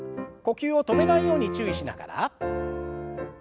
呼吸を止めないように注意しながら。